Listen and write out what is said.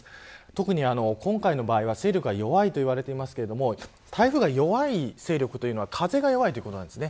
特に今回の場合は勢力が弱いといわれてますが台風が弱い勢力というのは風が弱い、ということなんです。